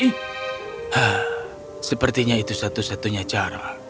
nah sepertinya itu satu satunya cara